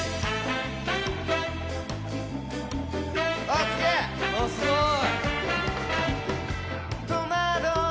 あすごい！